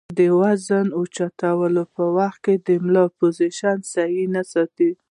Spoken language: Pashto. د وزن اوچتولو پۀ وخت د ملا پوزيشن سهي نۀ ساتي